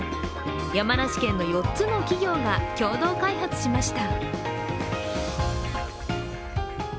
山梨県の４つの企業が共同開発しました。